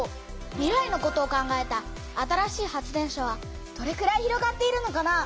未来のことを考えた新しい発電所はどれくらい広がっているのかな？